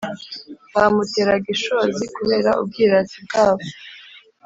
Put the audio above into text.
bamuteraga ishozi kubera ubwirasi bwabo